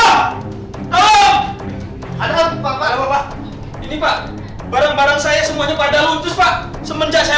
tolong tolong ada apa pak ini pak barang barang saya semuanya pada luntus pak semenjak saya